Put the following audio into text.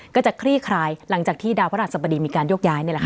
คลี่คลายหลังจากที่ดาวพระราชสบดีมีการโยกย้ายนี่แหละค่ะ